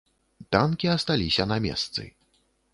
Танкі асталіся на месцы.